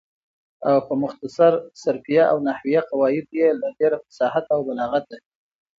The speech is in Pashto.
او په مختصر صرفیه او نحویه قواعدو یې له ډېره فصاحته او بلاغته